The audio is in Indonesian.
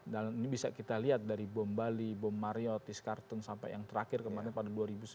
dan ini bisa kita lihat dari bom bali bom mario tiskarteng sampai yang terakhir kemarin pada dua ribu sembilan